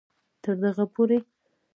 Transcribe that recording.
تر دغه پورې